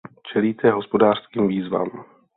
Čelíte hospodářským výzvám.